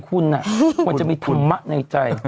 คุณควรจะมีธรรมะในใจ